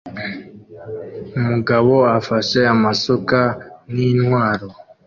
Umugabo afashe amasuka nkintwaro